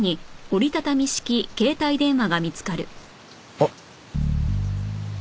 あっ。